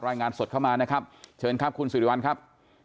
รายงานสดเข้ามานะครับเชิญครับคุณสิริวัลครับ